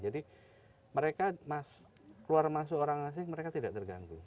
jadi mereka keluar masuk orang asing mereka tidak terganggu